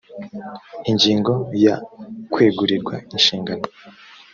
ingingo ya kwegurirwa inshingano